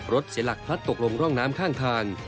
เสียหลักพลัดตกลงร่องน้ำข้างทาง